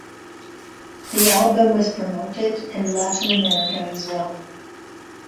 The album was promoted in Latin America as well.